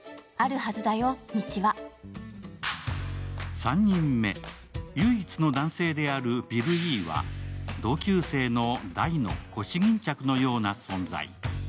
３人目、唯一の男性であるビルＥは同級生のダイの腰巾着のような存在。